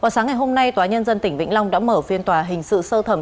sáng ngày hôm nay tòa nhân dân tỉnh vĩnh long đã mở phiên tòa hình sự sơ thẩm